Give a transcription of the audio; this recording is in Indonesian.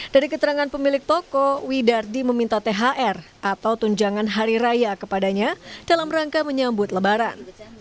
dari keterangan pemilik toko widardi meminta thr atau tunjangan hari raya kepadanya dalam rangka menyambut lebaran